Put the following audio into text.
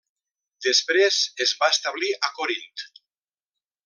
Després es va establir a Corint.